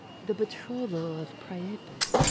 THE BETROTHAL OF PRIAPUS.